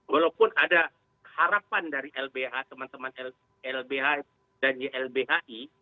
walaupun ada harapan dari lbh teman teman lbh dan ylbhi